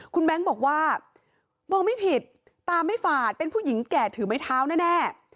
คุณแบงค์บอกว่ามองไม่ผิดตาไม่ฝาดเป็นผู้หญิงแก่ถือไม้เท้าแน่